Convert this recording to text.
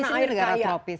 karena di sini negara tropis